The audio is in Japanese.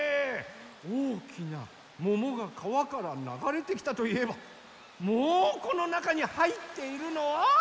おおきなももがかわからながれてきたといえばもうこのなかにはいっているのは。